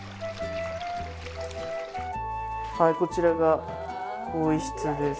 こちらが更衣室です。